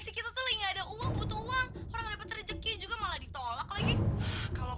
sih kita tuh lagi nggak ada uang butuh uang orang dapat rezeki juga malah ditolak lagi kalau